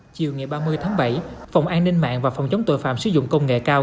chiều ngày ba mươi tháng bảy phòng an ninh mạng và phòng chống tội phạm sử dụng công nghệ cao